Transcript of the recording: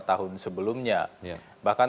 tahun sebelumnya bahkan